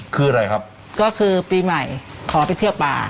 คืออะไรครับก็คือปีใหม่ขอไปเที่ยวป่า